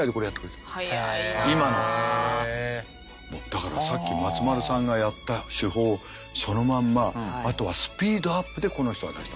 だからさっき松丸さんがやった手法そのまんまあとはスピードアップでこの人は出した。